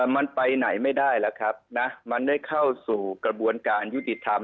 มันไปไหนไม่ได้แล้วครับนะมันได้เข้าสู่กระบวนการยุติธรรม